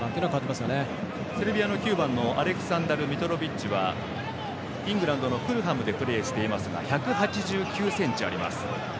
セルビアの９番アレクサンダル・ミトロビッチはイングランドのフルハムでプレーしていますが１８９ｃｍあります。